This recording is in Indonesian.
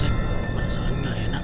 sip perasaan gak enak